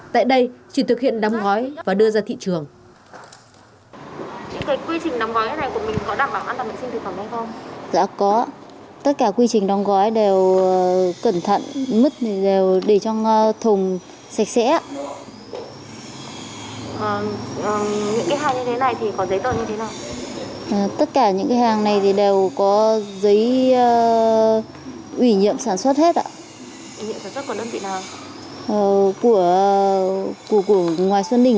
tại đây chỉ thực hiện đóng gói và đưa ra thị trường